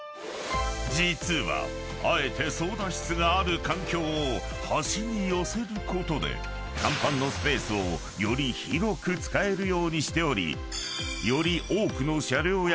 ［実はあえて操舵室がある艦橋を端に寄せることで甲板のスペースをより広く使えるようにしており］ホンマや。